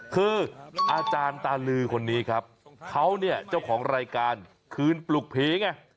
คืออาจารย์ตาลือคนนี้ครับเขาเนี่ยเจ้าของรายการคืนปลุกผีไง